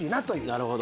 なるほど。